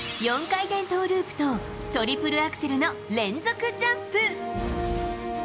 ４回転トーループとトリプルアクセルの連続ジャンプ。